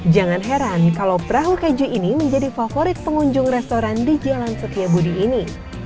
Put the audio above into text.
jangan heran kalau perahu keju ini menjadi favorit pengunjung restoran di jalan setiabudi ini